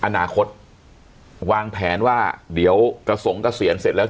อนาคตวางแผนว่าเดี๋ยวกระทรงกระเสียนเสร็จแล้วก็